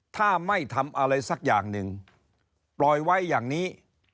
ถ้าไม่ทำอะไรสักอย่างหนึ่งปล่อยไว้อย่างนี้